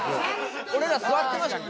俺ら座ってましたね。